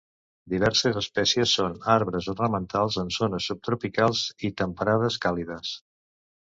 Diverses espècies són arbres ornamentals en zones subtropicals i temperades càlides.